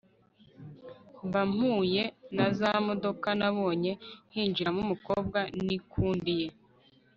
mba mpuye nazamodoka nabonye hinjiramo umukobwa nikundiye